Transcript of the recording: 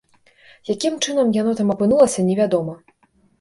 Якім чынам яно там апынулася, невядома.